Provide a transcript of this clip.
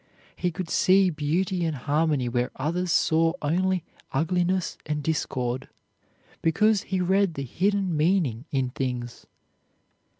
He could see beauty and harmony where others saw only ugliness and discord, because he read the hidden meaning in things.